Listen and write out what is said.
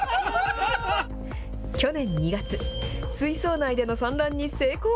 去年２月、水槽内での産卵に成功。